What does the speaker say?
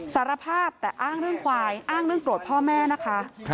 สารภาพแต่อ้างเรื่องควายอ้างเรื่องโกรธพ่อแม่นะคะ